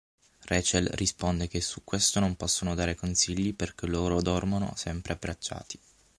Rachel risponde che su questo non possono dare consigli perché loro dormono sempre abbracciati.